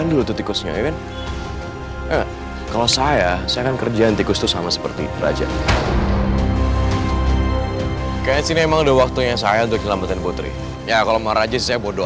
aku gak akan tengah tinggalin kau